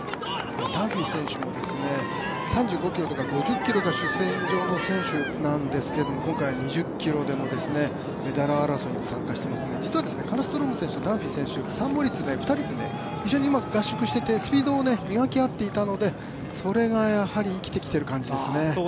ダンフィー選手も３５ｋｍとか５０ｋｍが主戦場の選手なんですけど今回２０ｋｍでもメダル争いに参加してますので、実はカルストローム、ダンフィー選手、２人で合宿をしていて、スピードを磨き合っていたのでそれが生きてきてる感じですね。